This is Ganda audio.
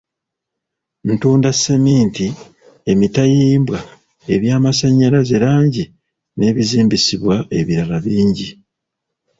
Ntunda sseminti, emitayimbwa, ebyamasannyalaze, langi n'ebizimbisibwa ebirala bingi.